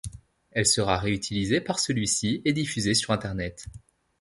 Elle sera réutilisée par celui-ci et diffusé sur internet.